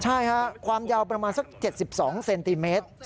ใช่ค่ะความยาวประมาณสัก๗๒เซนติเมตร